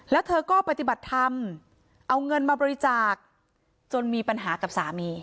แล้วเธอก็ปฏิบัติธรรมเอาเงินมาบริจาคจนมีปัญหากับสามี